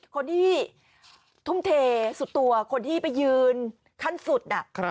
คนที่ทุ่มเทสุดตัวคนที่ไปยืนขั้นสุด